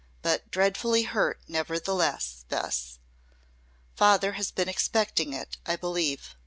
"But dreadfully hurt nevertheless, Bess. Father has been expecting it, I believe.